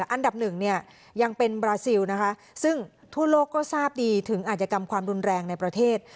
อันดับหนึ่งเนี่ยยังเป็นบราซิลนะคะซึ่งทั่วโลกก็ทราบดีถึงอาจยกรรมความรุนแรงในประเทศ